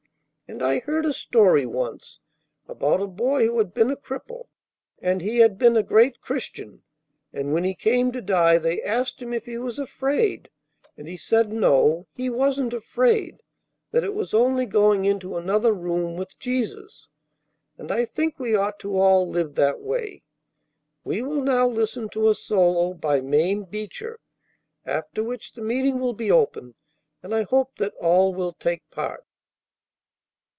And I heard a story once about a boy who had been a cripple, and he had been a great Christian; and, when he came to die, they asked him if he was afraid; and he said no, he wasn't afraid, that it was only going into another room with Jesus. And I think we ought to all live that way. We will now listen to a solo by Mame Beecher, after which the meeting will be open, and I hope that all will take part."